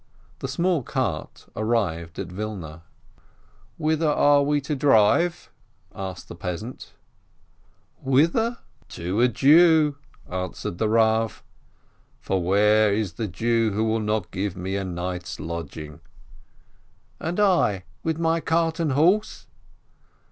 The small cart arrived at Wilna. "Whither are we to drive ?" asked the peasant. "Whither? To a Jew," answered the Rav. "For where is the Jew who will not give me a night's lodging?" "And I, with my cart and horse?"